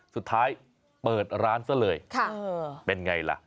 สุดท้ายเปิดร้านซะเลยเป็นไงล่ะ